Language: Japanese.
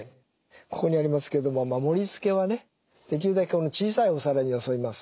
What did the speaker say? ここにありますけども盛り付けはねできるだけ小さいお皿によそいます。